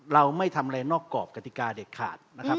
เราไม่ทำอะไรนอกกรอบกติกาเด็ดขาดนะครับ